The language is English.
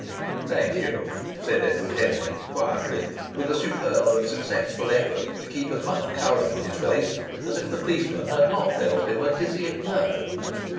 "Thank you," said Edward Henry, quietly, with a superb and successful effort to keep as much colour in his face as if the policeman had not dealt him a dizzying blow.